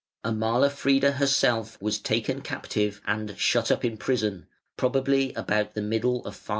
Amalafrida herself was taken captive and shut up in prison, probably about the middle of 523.